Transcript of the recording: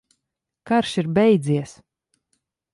Karš ir beidzies!